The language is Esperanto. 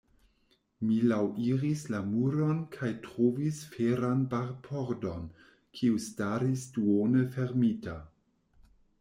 Mi laŭiris la muron kaj trovis feran barpordon, kiu staris duone fermita.